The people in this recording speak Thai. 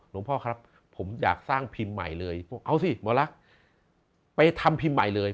พ่อครับผมอยากสร้างพิมพ์ใหม่เลยเอาสิหมอลักษณ์ไปทำพิมพ์ใหม่เลย